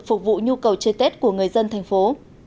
phục vụ nhu cầu chơi tết của người dân thành phố